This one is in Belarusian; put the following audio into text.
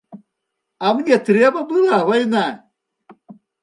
А мне трэба была вайна.